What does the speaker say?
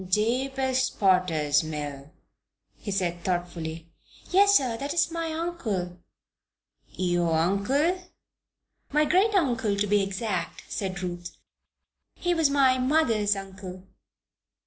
"Jabez Potter's mill," he said, thoughtfully. "Yes, sir. That is my uncle's name." "Your uncle?" "My great uncle, to be exact," said Ruth. "He was mother's uncle."